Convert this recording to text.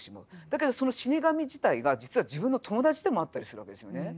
だけどその死神自体が実は自分の友達でもあったりするわけですよね。